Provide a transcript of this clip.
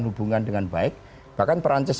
hubungan dengan baik bahkan perancis